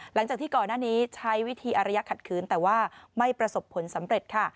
หลังจากที่ก่อนหน้านี้ใช้วิธีอารยะขัดขืนแต่ว่าไม่ประสบผลสำเร็จค่ะ